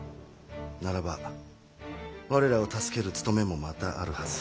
ならば我らを助ける務めもまたあるはず。